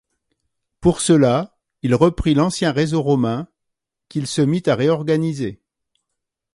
Pour cela, il reprit l'ancien réseau romain, qu'il se mit à réorganiser.